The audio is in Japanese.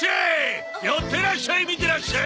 寄ってらっしゃい見てらっしゃい！